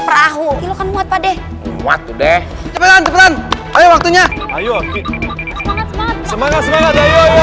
perahu itu kan muat padeh muat udah cepetan cepetan ayo waktunya ayo semangat semangat semangat